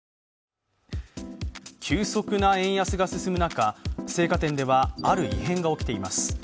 急速な円安が進む中、青果店ではある異変が起きています。